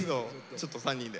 ちょっと３人で。